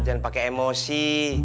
jangan pake emosi